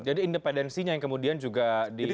jadi independensinya yang kemudian juga dipertanyakan